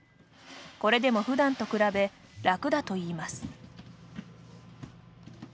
これでもふだんと比べ楽だといいます。